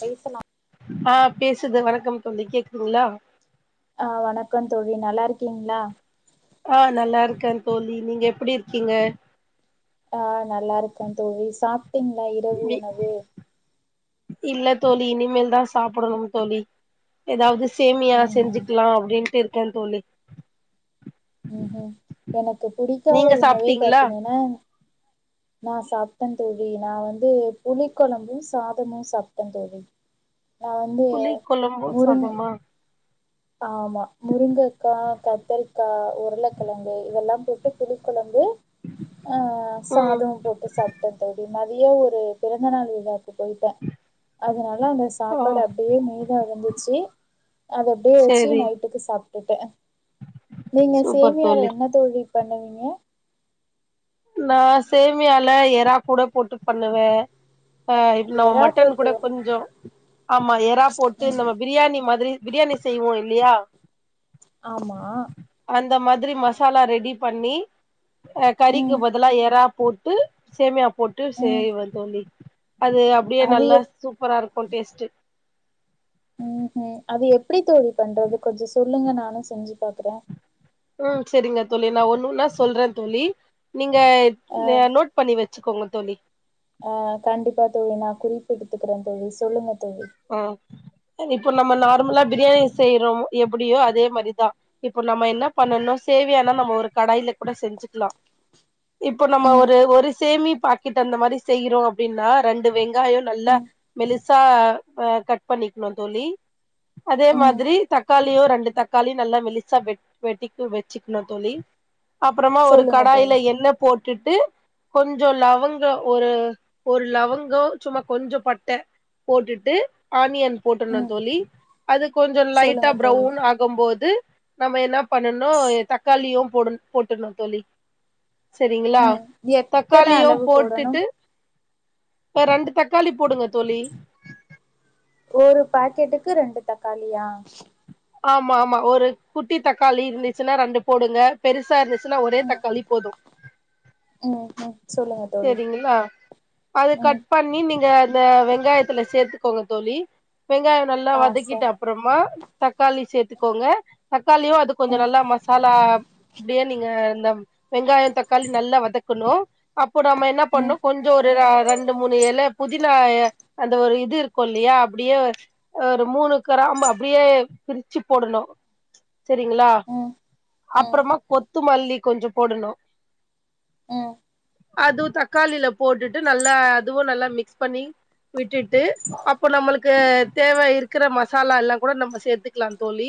பேசலாம் ஆ பேசுது வணக்கம் தோலி கேக்குதுங்களா ஆ வணக்கம் தோழி நல்லா இருக்கீங்களா ஆ நல்லா இருக்கேன் தோலி நீங்க எப்டி இருக்கீங்க அ நல்லா இருக்கேன் தோழி சாப் சாப்ட்டீங்களா இரவு வி- உணவு இல்ல தோலி இனிமே தா சாப்டணும் தோ எதாவது சேமியா ம் ம் செஞ்சிக்கலாம் அப்டின்ட்டு இரு [inaudible] தோலி ம் ஹம் எனக்கு பிடிக்காத நீங்க உணவே சாப்ட்டீங்களா பாத்தீங்கன்னா நா சாப்டேன் தோழி நா வந்து புளிக்கொலம்பு சாதமு சாப்டேன் தோழி நா வந்து புளிக்கொலம்போ முருங் சாதமா ஆமா முருங்கக்கா கத்தரிக் க்கா உருளக்கெளங்கு இதெல்லா போட்டு புளிக்கொலம்பு ஆ ம் சாதோ போட்டு சாப்டேன் தோழி மதியோ ஒரு பிறந்தநாள் விழாக் போயிட்டே அதனால அந்த ஓ சாப்பாடு அப்டியே மீதோ இருந்துச்சி அத அப்டியே வச்சு சேரி நைட்டுக்கு சாப் [inaudible] நீங்க சூப்பர் சேமியால தோழி என்ன தோழி பண்ணுவீங்க நா சேமியால எறா கூட போட்டு பண்ணுவேன் ஆ நம்ம எறா மட்டன் போட்டு கூட கொஞ்சம் ஆமா எறா போட்டு நம்ம பிரியாணி மாரி பிரியாணி செய்வோம் இல்லயா ஆமா அந்த மாரி மசாலா ரெடி பண்ணி ஆ கறிக் ம் பதிலா எறா போட்டு சேமியா போட்டு ம் செய்வேன் தோலி அது அப்டியே அது நல்லா எப் சூப்பரா இருக்கு டேஸ்ட்டு ம் ஹம் அது எப்டி தோழி பண்றது கொஞ்சம் சொல்லுங்க நானு செஞ்சி பாக்குறேன் ம் செரிங்க தோலி நா ஒன்னு ஒன்னா சொல்றேன் தோலி நீங்க ஆ நோட் பண்ணி வ வச்சுக்கோங்க தோழி ஆ கண்டிப்பா தோழி நான் குறிப்ப எடுத்துக்கிறேன் தொழி சொல்லுங்க தோழி ஆ இப்போ நம்ம நா நம்மல்லா பிரியாணி செய்றோம் எப்படியோ அதே மாரிதா இப்போ நம்ம என்ன பண்ணனுன்னா சேவையானா நம்ம ஒரு கடாயில கூட செஞ்சுக்கலா இப்போ நம்ம ம் ஒரு ஒரு சேமி பாக்கெட் அந்த மாரி செய்யிறோ அப்டின்னா ரெண்டு வெங்காயோ நல்லா ம் மெலிசா ஆ கட் பண்ணிக்கணும் தோழி அதே ம் மாரி தக்காளியும் ரெண்டு தக்காளியும் நல்லா மெலிசா வெ வெட்டி வெச்சுக்கணும் தோழி அப்புறமா ஒரு சொல்லுங்க தோழி கடாயில எண்ணெ போட் போட்டுட்டு கொஞ்சம் லவங்கம் ஒரு ஒரு லவங்கம் சும்மா கொஞ்சம் பட்ட போட்டுட்டு ஆனியன் போட்டணும் ம் தோழி அது கொஞ்சம் லைட்டா சொல்லுங்க தோழி ப்ரௌன் ஆகும்போது நம்ம என்ன பண்ணணும் தக்காளியும் போட போட்டணும் தோழி சரிங்களா ம் எத்தன தக்காளியு அளவு போடணும் போட்டுட்டு இப்ப ரெண்டு தக்காளி போடுங்க தோழி ஒரு பாக்கெட்டுக்கு ரெண்டு தக்காளியா ஆமா ஆமா ஒரு குட்டி தக்காளி இருந்துச்சுன்னா ரெண்டு போடுங்க பெருசா இருந்துச்சு இல்ல ஒரே ம் தக்காளி போதும் ம் ம் சொல்லுங்க தோழி சரிங்களா அது ம் கட் பண்ணி நீங்க இந்த வெங்காயத்துல சேத்துக்கோங்க தோழி வெங்காயம் நல்லா ஆ வதக்கிட்டு சரி அப்பறமா தக்காளி சேர்த்துக்கோங்க தக்காளியு அது கொஞ்ச ம் நல்லா மசாலா அடிய நீங்க இந்த வெங்காயம் தக்காளி நல்லா வதக்கணும் இ நம்ம என்ன ம் பண்ணும் கொஞ்சம் ஒரு ரெண்டு மூணு ஏழு பூ இல அந்த ஒரு இது இருக்கும் இல்லயா அப்டியே ஒரு மூணு கிராம் அப்டியே பிரிச்சு போடணும் செரிங்களா ம் ம் அப்பறமா முத்துமல்லி கொஞ்சம் போடணும் ம் அது தக்காளில போட்டுட்டு நல்லா அதுவும் நல்லா மிக்ஸ் பண்ணி விட்டுட்டு அப்ப நம்மளுக்கு தேவை இருக்கு இருக்கிற மசாலா எல்லாம் கூட நம்ம சேர்த்துக்கலாம் தோழி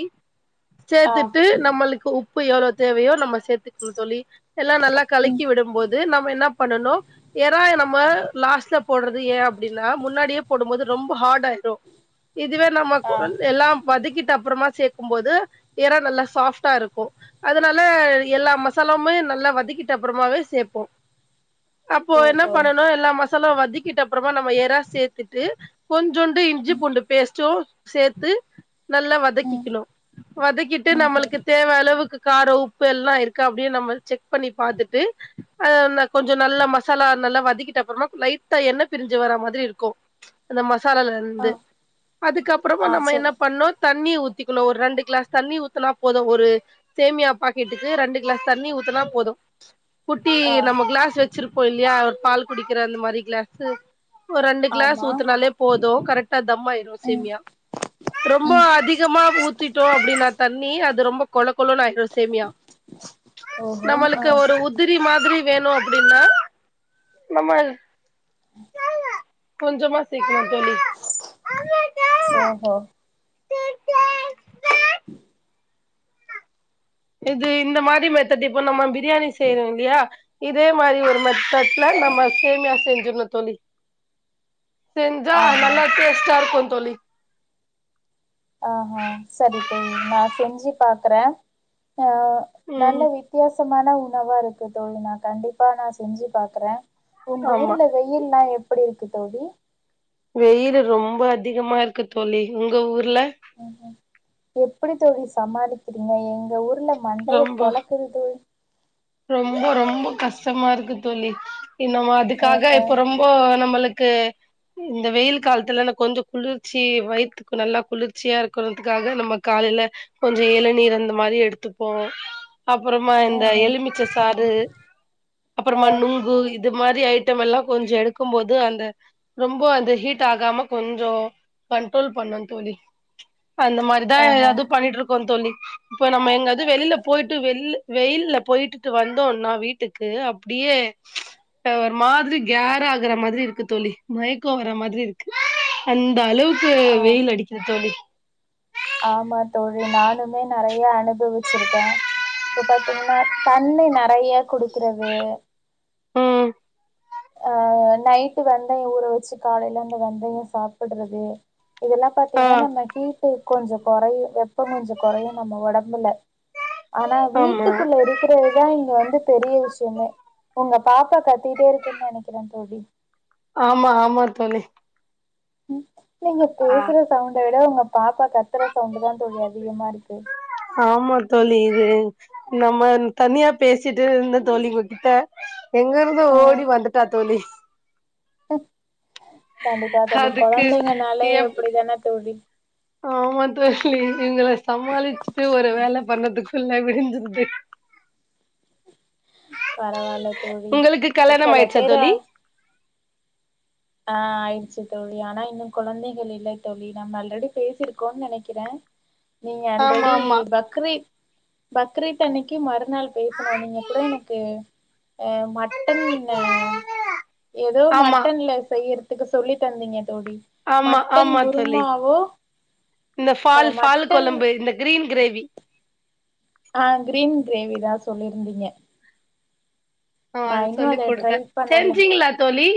ஆ சேர்த்துட்டு நம்மளுக்கு உ உப்பு எவ்ளோ தேவையோ நம்ம சேத்துக்கணு தோழி எல்லா நல்லா ம் கலக்கி விடும்போது என்ன பண்ணனும் இறாய நம்ம லாஸ்ட்ல போடுறது ஏன் அப்டின்னா முன்னாடியே போடும்போது ரொம்ப ஹார்ட் ஆயிரும் இதுவே நம்ம ஆ குரல் எல்லாம் பதுக்கிட்டு அப்பறமா சேர்க்கும்போது இறால் நல்ல சாஃபா இருக்கும் அதனால எல்லா மசாலமே நல்லா வதக்கட்டு அப்பறமே சே போ அப்போ என்ன ஓஹோ பண்ணணும் எல்லாம் ம வதக்கட்டு அப்பற நம எறா சேத்துட்டு கொஞ் ஞ்சசுண்டு இஞ்சி ம் பூண்டு பேஸ்ட்டும் சேர்த்து நல்லா ம் வதக்கிக்கிணும் வதக்கிட்டு ம் ம் நம்மளுக்கு தேவ அளவுக்கு கார உப்பு எல்லாம் இருக்க அப்படனு நம்ம செக் பண்ணி பாத்துட்டு அ கொஞ்சம் நல்ல மசாலா நல்லா வதக்கிட்ட அப்பறம்னா லைட்டா எண்ணெய பிரிஞ்ச வர மாரி இருக்கும் அந்த ம சலல ஆ இருந்து அதுக்கப்பறமா ஆ நம்ம என்ன சொல்லு பண்ணோம் தண்ணி ஊத்திக்கணும் ஒரு இரண்டு கிளாஸ் தண்ணி ஊத்தனா போதும் ஒரு சேமியா பாக்கெட்டுக்கு இரண்டு கிளாஸ் தண்ணி ஊத்தனா போதும் தி ஆ நம்ம கிளாஸ் வச்சு வச்சிருப்போம் இல்லயா அவ பால் குடிக்கிற அந்த மாரி கிளாஸ்சு ஒரு ரெண்டு கிளாஸ் ஆமா ஊத்தினாலே போதும் தம்மாயிரும் ம் சேமியா ரொம்ப ம் அதிகமா ஊத்திட்டோம் அப்டினா நான் தண்ணி அது ரொம்ப கொழ லோனு ஆயிடும்சேமியா ஓஹோ ஆ நம்மளுக்கு ஒரு உத் அது மாரி வேணும் அப்டின்னா நம்ம கொஞ்சமா சேக்கணும் தோழி ஓஹோ [unintelligible] ம் இது இந்த மாரி மெத்தட் இப்போ நம்ம பிரியாணி செய்றோம் இல்லயா இதே மாரி ஒரு ம கடல நம்ம சேமியா சே என்ன தோழி செஞ்சா ஆஹா நல்லா டேஸ்ட இருக்கும் தோழி ஆஹஹ செரி தோழி நான செஞ்சு பாக்குறேன் ஆ நல்ல ம் வித்தியாசோ மான உணவா இருக்கு தோழி நா கண்டிப்பா நான செஞ்சு பாக்குறேன் உங்க ஆமா ஊர்ல வெயில்லாம் எ எப்டி இருக்கு தோழி வெயில் ரொம்ப அதிகமா இருக்கு தோழி உங்க ஊர் இல்ல எப்டி தோழி சமாளிக்கிறீங்க எங்க ஊர் ல மண்டைய ரொம்ப பொலக்குறது ரொம்ப ரொம்ப கஷ்டமாயிருக்கு தோழி நம்ம அ அதுக்காக அ இப்ப ரொம்போ நம்மளு க்கு இந்த வெயில் காலத்துல கொஞ்சோ குளிர்ச்சி வயித்துக்கு நல்லா குளிர்ச்சியா இருக்குறத்துக்காக நம்ம காலையில கொஞ்சோ எளநீர் அந்த மாரி எடுத்துப்போ அப்புறமா இந்த ம்ஹூம் எலுமி ச்ச சாறு அ அப்புறமா நுங்கு இ து மாரி ஐட்டமெல்லா கொஞ்சோ எடுக்குமோது அந்த ரொம்ப அந்த ஹீட் ஆகாம கொஞ்சோ கண்ட்ரோல் பண்ணோ தோழி அந்த மாரிதா ஆஹா எதாவது பண்ணிட்டு இருப் பாங்க தோலி இப்ப நம்ம எங்கயாது வெளியில போயிட்டு வெயில் வெயில்ல போயிட் டு வந்தோனா வீட்டுக்கு அப்டியே ஒரு மாதிரி கேரா ஆகுறா மாதிரியிருக்கு தோலி மயக்கோ வரா மாதிரியிருக்கு அந்த அளவுக்கு ஆ வெயில் அடிக்குது தோலி ஆமா தோழி நானுமே நெறைய அனுபவிச்சுருக்கே இப்ப பாத்தீங்கன்னா தண்ணி நெறைய குடுக்குறது உம் அஹ் நைட்டு வெந்தயோ ஊற வெச்சு காலையில வந்து வெந்தயோ சாப்புடுறது இதெல்லா ஆ பார்த்தீங்கன்னா நம்ம ஃப்யூச் சருக்கு கொஞ்சோ கொறையோ வெப்போ கொஞ்சோ கொறையோ நம்ம ஒடம்புல ஆனா ஆமா வீட்டுக்குள்ள இருக்குறதுதா இங்க வந்து பெரிய விஷியோமே உங்க பாப்பா கத்திட்டே இருக்கு நெனைக்குறே தோலி ஆமா ஆமா தோலி [inaudible] நீங்க பேசுற சவுண்ட விட உங்க பாப்பா கத்துற சவுண்ட்டுதா தோலி அதிகமாயிருக்கு ஆமா தோலி இது நம்ம தனியா பேசிட்டுயிருந்தோ தோழி இவ கிட்ட எங்க இருந்தோ ம் ஓடி வந்துட்டா தோலி [inaudible] கண்டிப்பா தோழி அதுக்கு கொழந்தைங்கனாலே எப்டி அப்டிதானே தோழி ஆமா தோலி இவங்கள சமாளிச்சுட்டு ஒரு வேல பண்ணதுக்குள்ள விடிஞ்சுடுது பரவாயில்ல தோழி கல்யாணம் இத்தன ஆயிடுச்சா பேர தோழி ஆஹ் ஆயிடுச்சு தோழி ஆனா இன்னோ கொழந்தைகள் இல்ல தோழி நம்ம ஆல்ரெடி பேசிருக்கோன்னு நெனைக்கிறே நீங்க ஆமா ஆல்ரெடி ஆமா பக்ரித் பக்ரீத்தன்னிக்கு மறுநாள் பேசுணே நீங்க கூட எனக்கு மட்டன் எதோ ஆமா மட்டன்ல செய் யிரதுக்கு சொல்லி தந்தீங்க தோழி ஆமா மட்டன் ஆமா தோழி குருமாவோ இந்த அ ஃபால் ஃபால் மட்டன் கொழம்பு இந்த கிரீன் கிரேவி ஆஹ் கிரீன் கிரேவிதான் சொல்லியிருந்தீங்க ஆ அது நான் இன்னும் சொல்லி அத குடுத்தே ட்ரைப் பண்ணல செஞ்சீங்களா தோழி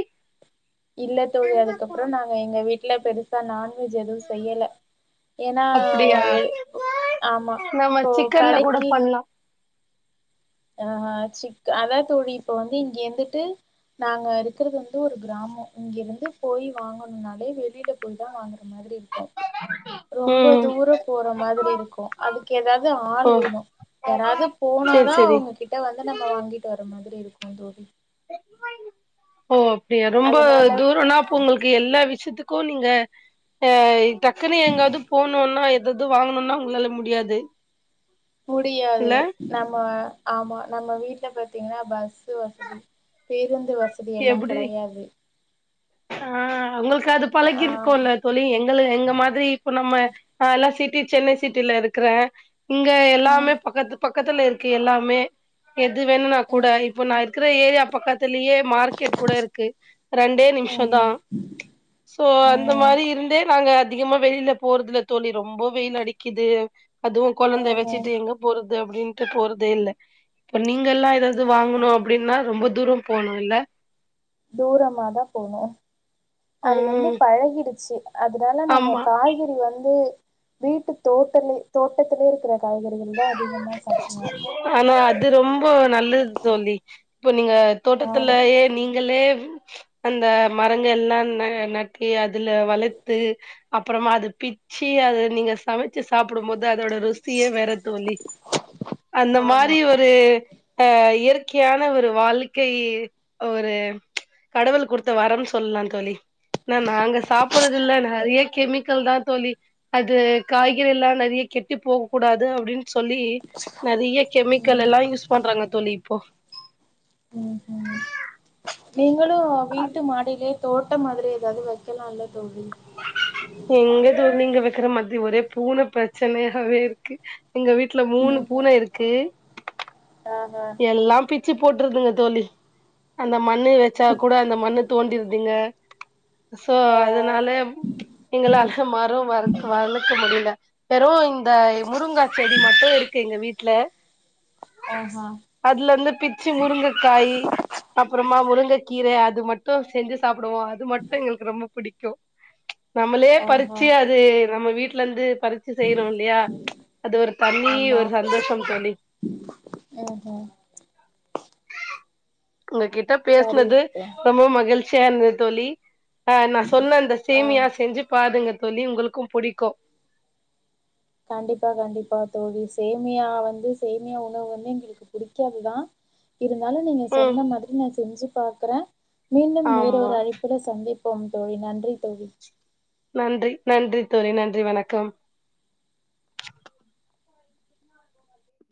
இல்ல தோழி அதுக்கப்புறம் நாங்க எங்க வீட்டுல பெருச தன் நான் இது எதுவும் செய்யல ஏன்னா ஒ அப்டியா எது ஆமா நம்ம ப்போ சிக்கன்ல கூட கடைக்கு பண்லா அஹ் சிக்கன் அதான் தோழி இப்ப வந்து இங்க இருந்துட்டு நாங்க இருக்கிறது வந்து ஒரு கிராமம் இங்க இருந்து போய் வாங்கணும்னாலே வெளியில போய் தான் வாங்னும் அந்த மாதிரி இருக்கும் ரொம்ப ம் தூர போற மாதிரி இருக்கும் அதுக்கு ஏதாவது ஆள் ஓ வேணும் யாராவது சேரி போனாதான் சேரி அவுங்க கிட்ட வந்து நம்ம வாங்கிட்டு வரமாரி எப்படி இருக்கும் தோழி ஓ அா ரொம்ப அதனால தூரனா அப்போ உங்களுக்கு எல்லா விஷய வச்சத்துக்கும் நீங்க அஹ் டக்குன்னு எங்காவது போணும்னா எது வாங்கணுனா உங்களால முடியாது முடியாது இல்ல நம்ம ஆமா நம்ம வீட்டுல பாத்தீங்கன்னா பஸ்வசதி பேருந்து வசதி எல்லா எப்டி கெடையாது ஆஹ் அவங்களுக்கு அது ஆ பழகிருக்குல்ல தோழி எங் எங்க எங்க மாதிரி இப்ப நம்ம எல்லாம் சிட்டி சென்னை சிட்டில இருக்கிறேன் இங்க ம் எல்லாமே பக்கத்து பக்கத்துல இருக்கு எல்லாமே எது வேணும்னா கூட ம்ஹூம் இப்போ நான் இருக்கிற ஏரியா பக்கத்துலேயே மார்க்கெட் கூட இருக்கு ரெண்டே நிமிஷம் தான் சோ அந்த ம் மாரி இருந்தே நாங்க அதிகமா வெளியில போறதுல தோழி ரொம்ப வெயில் அடிக்குது அதுவும் கொழந்தை ம்ஹூம் வச்சிட்டு எங்க போறது அப்படின்ட்டு போறதே இல்ல இப்ப நீங்க எல்லாம் ஏதாவது வாங்கணும் அப்படின்னா ரொம்ப தூரம் போணும் இல்ல தூரமாதா போவோம் ஆ அது வந்து பழகிடுச்சு அதனால நாங்க ஆமா காய்கறி வந்து வீட்டு தோட்டல தோட்டத்திலேயே இருக்கிற காய்கறிகள் தான் ஆனா அது ரொம்ப நல்லது தோழி இப்போ நீங்க ஆமா தோட்டத்துலயே நீங்களே அந்த மரங்கள் எல்லாம் நட்டு அதுல வளத்து அப்புறமா அதை பிச்சு அது நீங்க சமைச்சு சாப்புடும்போது அதோட ருசியே வேற தோழி அந்த ஆமா மாரி ஒரு அஹ் இயற்கையான ஒரு வாழ்க்கை ஒரு கடவுள் கொடுத்த வரம் சொல்லலாம் தோழி நாங்க சாப்பறது இல நெறைய கெமிக்கல் தான் தோழி அது காய்கறி எல்லாம் நெறைய கெட்டி போகக்க கூடாது அப்டின்னு சொ [inaudible] நெறைய கெமிக்கல் ம் எல்லாம் யூஸ் பண்றாங்க தோழி இப்போ ம் ம் நீ [inaudible] லும் வீட்டு மாடில தோட்டம் மாரி ஏதாவது வைக்கலாம் இல்ல தோழி எங்க தோழி ங்க வைக்கிற மாரி ஒரே பூனை பிரச்சனையாவே இருக்கு எங்க வீட்டுல மூணு ம்ஹூம் பூனை இருக்கு ஆஹா எல்லாம் பி வச்ச போட்டுதுங்க தோ அந்த மண்ணு வைச்சா கூட அந்த மண்ணு தோண்டியிருது ங்க சோ அதனால ங்கள மரம் வர வரலக்க முடியல பெறோம் இந்த முருங்கா செடி மட்டும் இருக்கு எங்க வீட்டு இல ஆஹா அதுல இருந்து பிச்சு முருங்கைக்காய் அப்புறமா முருங்கை கீரை அது மட்டும் செஞ்சு சாப்பி போடுவோம் அது மட்டும் எங்களுக்கு ரொம்ப பிடிக்கும் சோ நம்மளே ஆஹா பறிச்சு அது நம்ம வீட்டு லரந்து பறிச்சு செய்யிறோம் இல்லயா அது ஒரு தனி ஆமா ஒரு சந்தோஷம் தோழி ம்ஹூம் உங்க கிட்ட சரி பேசுனது இப்போ ரொம்ப மகிழ் [inaudible] இருந்தது தோழி ஆ நான சொன்ன அந்த ஆ சேமியா செஞ்சு பாருங்க சொல்லி உங்களுக்கும் பிடிக்கும் கண்டிப்பா கண்டிப்பா தோழி சேமியா வந்து சேமியா உணவு வந்து எங்களுக்கு புடிக்காது தான் இருந்தாலும் நீங்க ம் சொன்ன மாரி நான செஞ்சு பாக்குறேன் மீண்டும் வேற ஆமா ஒரு அழிப்புல சந்திப்போம் ப்போம் தோழி நன்றி தோழி நன்றி நன்றி தோழி நன்றி வணக்கம்